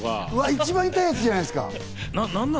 一番痛いやつじゃないですか！